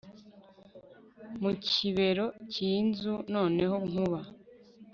mu kibero cyinzu noneho Nkuba